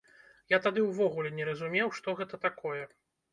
Я тады ўвогуле не разумеў, што гэта такое.